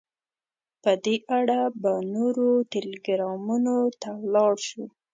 په دې اړه به نورو ټلګرامونو ته ولاړ شو.